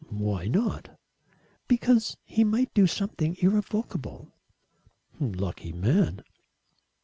"Why not?" "Because he might do something irrevocable." "Lucky man."